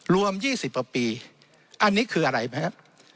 รวม๒๐ปีอันนี้คืออะไรครับ